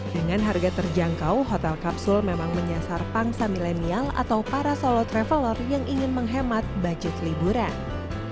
dengan harga terjangkau hotel kapsul memang menyasar pangsa milenial atau para solo traveler yang ingin menghemat budget liburan